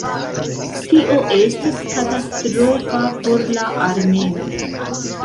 Tio estis katastrofa por la armenoj.